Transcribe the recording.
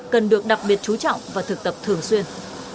cần được đặc biệt chú trọng và thực tập thường xuyên